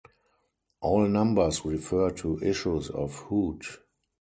All numbers refer to issues of Hoot.